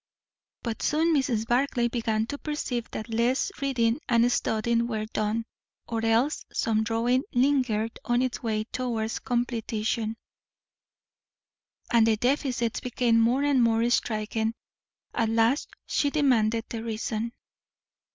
But soon Mrs. Barclay began to perceive that less reading and studying were done; or else some drawing lingered on its way towards completion; and the deficits became more and more striking. At last she demanded the reason.